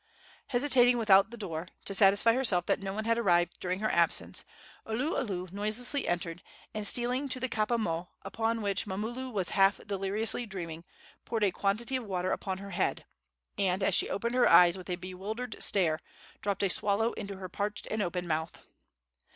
Hesitating without the door, to satisfy herself that no one had arrived during her absence, Oluolu noiselessly entered, and, stealing to the kapa moe upon which Mamulu was half deliriously dreaming, poured a quantity of water upon her head, and, as she opened her eyes with a bewildered stare, dropped a swallow into her parched and open mouth.